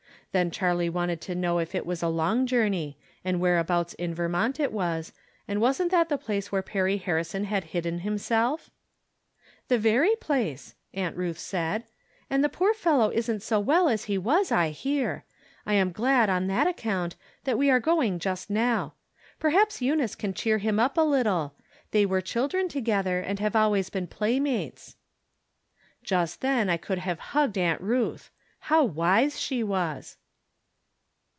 Then Charlie wanted to know if it was a long journey, and whereabouts in Vermont it was, and wasn't that the place where Perry Harrison had hidden him self. " The very place," Aunt Euth said, " and the poor fellow isn't so weU as he was, I hear. I am From Different Standpoints, 61 glad, on tliat account, that we are going just now. Perhaps Eunice can cheer him up a little ; they were children together, and have always been playmates." Just then I could have hugged Aunt Ruth. How wise she was